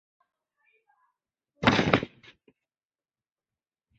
现为国立台湾体育大学棒球队队员。